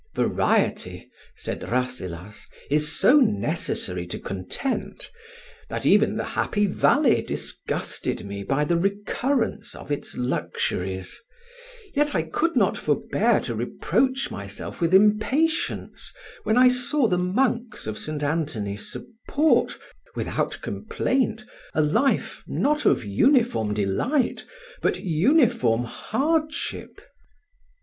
"Variety," said Rasselas, "is so necessary to content, that even the Happy Valley disgusted me by the recurrence of its luxuries; yet I could not forbear to reproach myself with impatience when I saw the monks of St. Anthony support, without complaint, a life, not of uniform delight, but uniform hardship."